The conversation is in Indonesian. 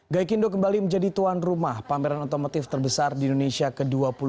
gaikindo kembali menjadi tuan rumah pameran otomotif terbesar di indonesia ke dua puluh dua